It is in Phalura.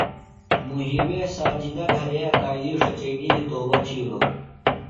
محیبے سجادہ گھرے اکادئی ݜچئینی دی توبہ تِھلوۡ۔